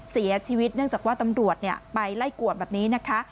เสียชีวิตเนื่องจากว่าตำรวจไปไล่กวดแบบนี้นะคะ